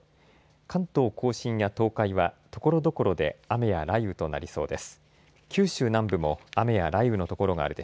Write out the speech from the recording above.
関東甲信や東海はところどころで雨や雷雨となりそうです。